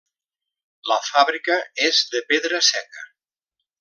La fàbrica és de pedra seca.